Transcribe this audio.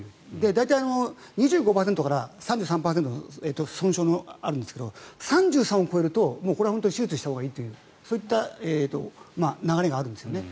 大体２５％から３３％の損傷があるんですが３３を超えると手術したほうがいいというそういった流れがあるんですよね。